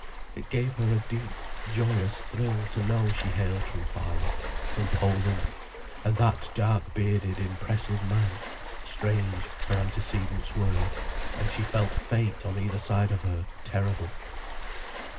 It gave her a deep, joyous thrill, to know she hailed from far off, from Poland, and that dark bearded impressive man. Strange, her antecedents were, and she felt fate on either side of her terrible.